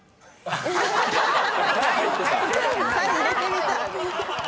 「タイ」入れてみた。